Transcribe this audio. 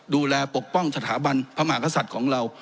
ปกป้องสถาบันพระมหากษัตริย์ของเรา